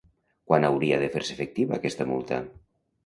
Quan hauria de fer-se efectiva aquesta multa?